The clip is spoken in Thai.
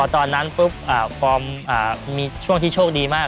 ตอนนั้นเฟริกมีช่วงที่โชคดีมาก